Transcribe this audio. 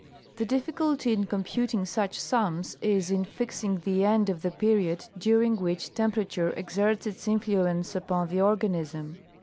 The difficulty in computing such sums is in fixing the end of the period during which temperature exerts its influence upon the organism.